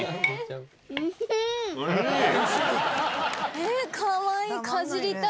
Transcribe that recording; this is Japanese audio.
えーっかわいい！